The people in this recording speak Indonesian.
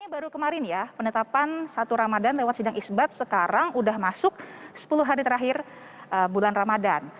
ini baru kemarin ya penetapan satu ramadhan lewat sidang isbat sekarang sudah masuk sepuluh hari terakhir bulan ramadan